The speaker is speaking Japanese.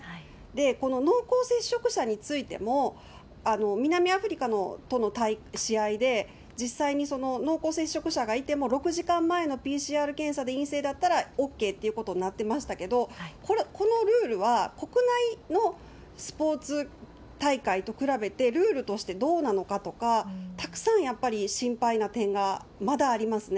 この濃厚接触者についても、南アフリカとの試合で、実際に濃厚接触者がいても６時間前のＰＣＲ検査で陰性だったらＯＫっていうことになってましたけど、このルールは国内のスポーツ大会と比べて、ルールとしてどうなのかとか、たくさんやっぱり心配な点がまだありますね。